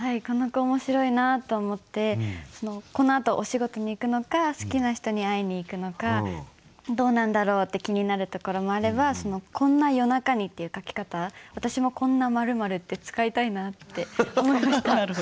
この句面白いなと思ってこのあとお仕事に行くのか好きな人に会いに行くのかどうなんだろうって気になるところもあれば「こんな夜中に」っていう書き方私も「こんな○○」って使いたいなって思いました。